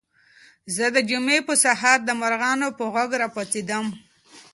زه د جمعې په سهار د مرغانو په غږ راپاڅېدم.